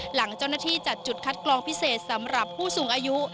หลังเจ้าหน้าที่จัดจุดคัดกรองพิเศษสำหรับผู้สูงอายุ